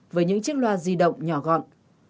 với những chiếc loa di động nhỏ gọn